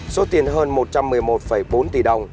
số tiền hơn một trăm một mươi một bốn tỷ đồng